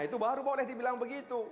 itu baru boleh dibilang begitu